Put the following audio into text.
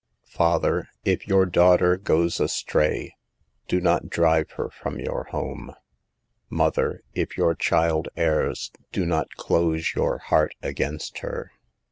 Father, if your daughter goes astray, do not drive her from your home. Mother, if your A LOST WOMAN SAVED. 131 child errs, do not close your heart against her.